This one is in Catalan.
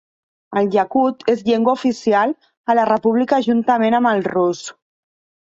El iacut és llengua oficial a la república juntament amb el rus.